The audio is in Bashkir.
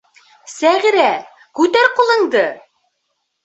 Сәғирә, күтәр ҡулыңды!